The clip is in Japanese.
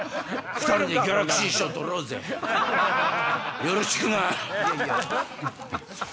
２人でギャラクシー賞取ろうぜよろしくな！